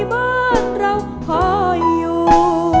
เพื่อนเราคอยอยู่